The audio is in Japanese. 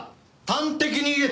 端的に。